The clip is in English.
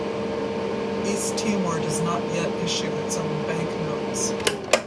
East Timor does not yet issue its own banknotes.